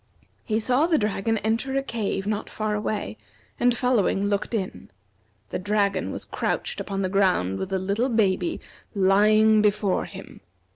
He saw the dragon enter a cave not far away, and following looked in. The dragon was crouched upon the ground with the little baby lying before him.